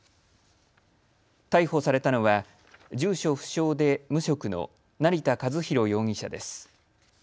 逮捕されたのは住所不詳で無職の成田和弘容疑者です。